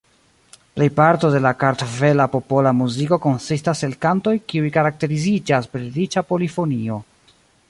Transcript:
Plejparto de la kartvela popola muziko konsistas el kantoj kiuj karakteriziĝas per riĉa polifonio.